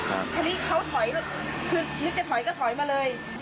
อันนี้เขาถอยแบบคือนึกจะถอยก็ถอยมาเลย